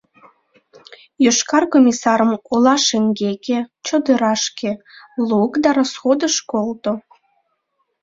Йошкар комиссарым ола шеҥгеке, чодырашке, лук да расходыш колто.